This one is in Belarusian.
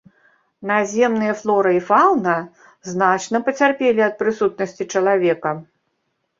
Наземныя флора і фаўна значна пацярпелі ад прысутнасці чалавека.